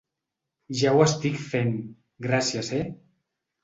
Ja ho estic fent, gracies eh.